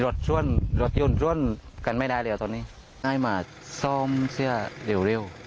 รถช่วนรถยุ่นช่วนกันไม่ได้เลยอะตอนนี้ให้มาซ่อมเสื้อเร็วเร็ว